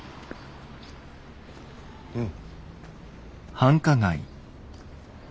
うん。